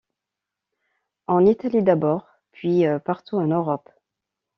En Italie d’abord puis partout en Europe.